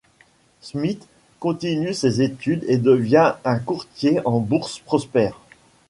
Smith continue ses études et devient un courtier en bourse prospère.